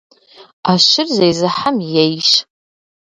Iэщыр зезыхьэм ейщ.